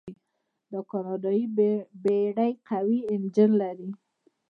دا کاناډایي بیړۍ قوي انجن لري.